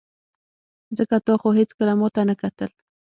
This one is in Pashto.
ځکه تا خو هېڅکله ماته نه کتل.